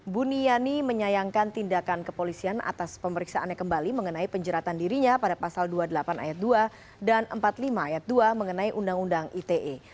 buniyani menyayangkan tindakan kepolisian atas pemeriksaannya kembali mengenai penjeratan dirinya pada pasal dua puluh delapan ayat dua dan empat puluh lima ayat dua mengenai undang undang ite